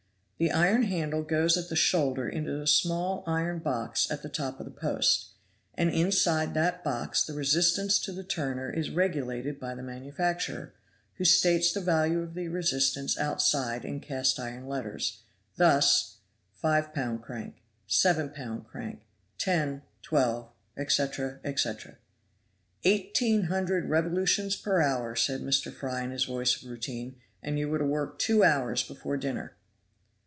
The iron handle goes at the shoulder into a small iron box at the top of the post; and inside that box the resistance to the turner is regulated by the manufacturer, who states the value of the resistance outside in cast iron letters. Thus: 5 lb. crank. 7 lb. crank. 10, 12, etc., etc. "Eighteen hundred revolutions per hour," said Mr. Fry, in his voice of routine, and "you are to work two hours before dinner."